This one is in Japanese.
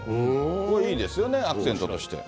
これ、いいですよね、アクセントとして。